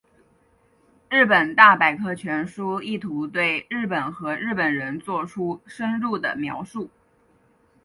日本大百科全书意图对日本和日本人作出深入的描述。